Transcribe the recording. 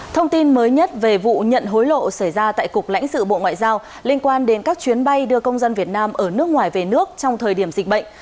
thông tin mới nhất về vụ nhận hối lộ xảy ra tại cục lãnh sự bộ ngoại giao liên quan đến các chuyến bay đưa công dân việt nam ở nước ngoài về nước trong thời điểm dịch bệnh